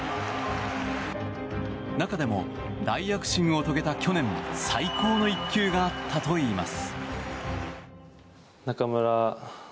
中でも大躍進を遂げた去年最高の１球があったといいます。